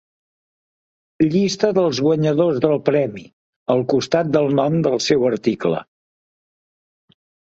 Llista dels guanyadors del premi, al costat del nom del seu article.